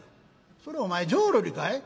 「それお前浄瑠璃かい？」。